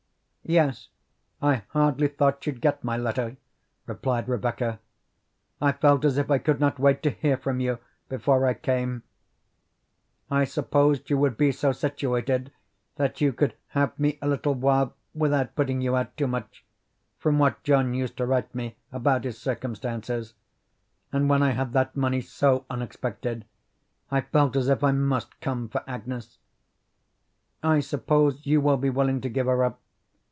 "Yes, I hardly thought you'd get my letter," replied Rebecca. "I felt as if I could not wait to hear from you before I came. I supposed you would be so situated that you could have me a little while without putting you out too much, from what John used to write me about his circumstances, and when I had that money so unexpected I felt as if I must come for Agnes. I suppose you will be willing to give her up.